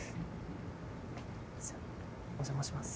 じゃお邪魔します。